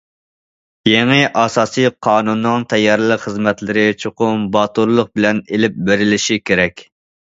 يېڭى ئاساسىي قانۇننىڭ تەييارلىق خىزمەتلىرى چوقۇم باتۇرلۇق بىلەن ئېلىپ بېرىلىشى كېرەك.